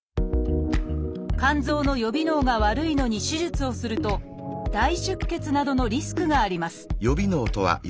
肝臓の予備能が悪いのに手術をすると大出血などのリスクがあります